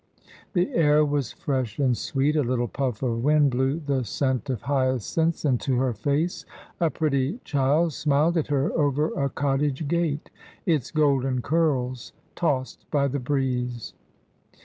The air was fresh and sweet. A little puff of wind blew the scent of hyacinths into her face. A pretty child smiled at her over a cottage gate, its golden curls tossed by the breeze.